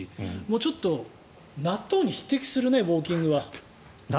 ちょっと、納豆に匹敵するねウォーキングは。